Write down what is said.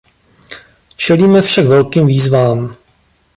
Čelíme však velkým výzvám.